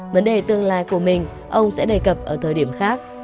vấn đề tương lai của mình ông sẽ đề cập ở thời điểm khác